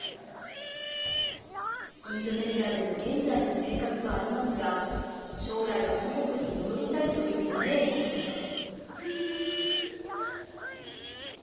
インドネシアでの現在の生活はありますが、将来は祖国に戻りたいという夢を持っています。